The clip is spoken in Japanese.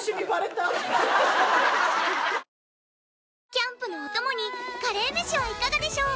キャンプのお供にカレーメシはいかがでしょう